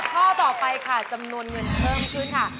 ข้อต่อไปค่ะจำนวนเงินเพิ่มขึ้นค่ะ